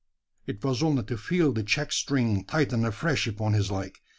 It was only to feel the check string tighten afresh upon his leg.